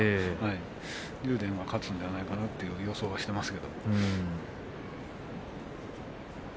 竜電が勝つんじゃないかなと予想しています。